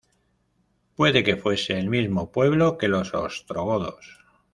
Puede que fuese el mismo pueblo que los ostrogodos.